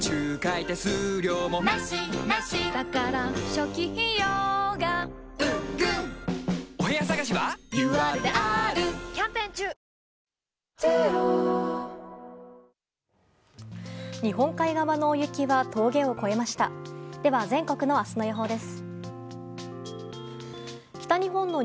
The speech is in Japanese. では、全国の明日の予報です。